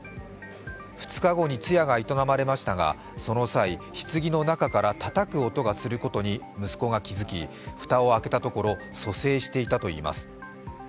２日後に通夜が営まれましたがその際、ひつぎの中からたたく音がすることに息子が気付き蓋を開けたところ蘇生していたといいます。